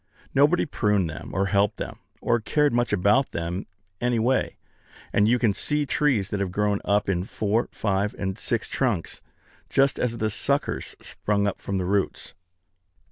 Nobody pruned them, or helped them, or cared much about them any way; and you can see trees that have grown up in four, five, and six trunks, just as the suckers sprung up from the roots.